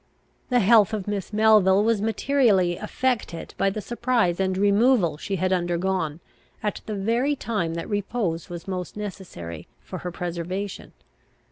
The health of Miss Melville was materially affected by the surprise and removal she had undergone at the very time that repose was most necessary for her preservation.